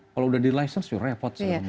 kalau udah di license tuh repot segala macam